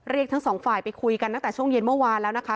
ทั้งสองฝ่ายไปคุยกันตั้งแต่ช่วงเย็นเมื่อวานแล้วนะคะ